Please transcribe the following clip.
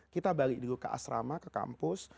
kita balik dulu ke asrama ke kampus